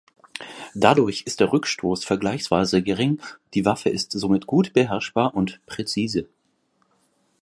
Dadurch ist der Rückstoß vergleichsweise gering; die Waffe ist somit gut beherrschbar und präzise.